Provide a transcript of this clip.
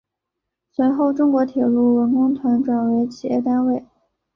随后中国铁路文工团转为企业单位。